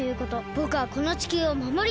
ぼくはこの地球をまもりたい。